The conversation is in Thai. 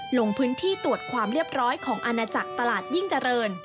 ลงพื้นที่ตรวจความเรียบร้อยของอาณาจักรตลาดยิ่งเจริญ